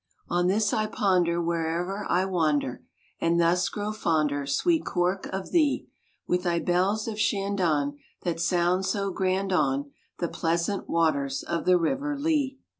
On this I ponder where'er I wander, And thus grow fonder, sweet Cork, of thee; With thy bells of Shandon that sound so grand on The pleasant waters of the River Lee.